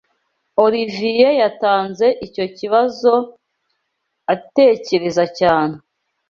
Olivier yatanze icyo kibazo atekereza cyane.